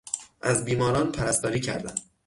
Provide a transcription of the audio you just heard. از بیماران پرستاری کردن